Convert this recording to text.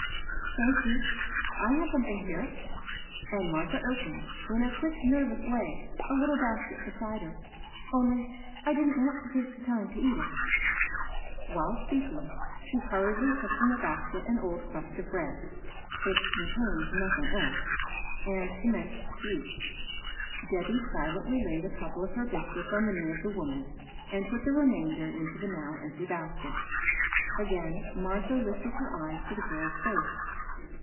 *' Thank you, I have something here ;" and Martha opened, in a quick, nervous way, a little basket beside her, " only I didn't want to take the time to eat it." While speaking, she hurriedly took from the THE 8AIL L0FT. 203 basket an old crost of bread, — it contained noth ing else, — and commenced to eat. Debby silently laid a couple of her biscuits on th» knee of the woman, and put the remainder into the now empty basket. Again Martha lifted her eyes to the girl's face.